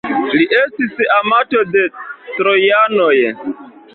Li estis amato de trojanoj.